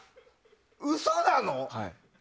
嘘なの？